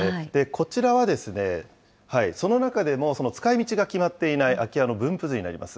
こちらは、その中でもその使いみちが決まっていない空き家の分布図になります。